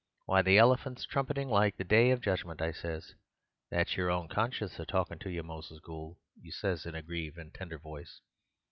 '—'Why, the elephant's trumpetin' like the Day of Judgement,' I says.—'That's your own conscience a talking to you, Moses Gould,' you says in a grive and tender voice.